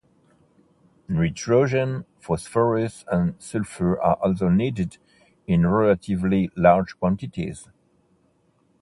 Nitrogen, phosphorus, and sulfur are also needed in relatively large quantities.